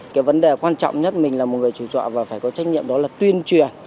cái vấn đề quan trọng nhất mình là một người chủ trọ và phải có trách nhiệm đó là tuyên truyền